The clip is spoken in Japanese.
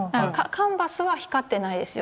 カンバスは光ってないですよね。